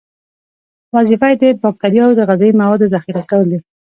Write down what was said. وظیفه یې د باکتریاوو د غذایي موادو ذخیره کول دي.